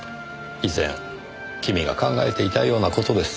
以前君が考えていたような事です。